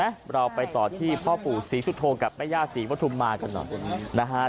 แล้วเราไปต่อที่พ่อปู่ศรีสุธงกับแม่ย่าศรีพัทุมมาขนาดนะคะ